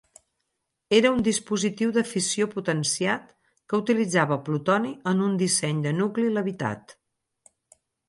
Era un dispositiu de fissió potenciat que utilitzava plutoni en un disseny de nucli "levitat".